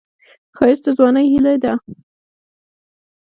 ښایست د ځوانۍ هیلې ده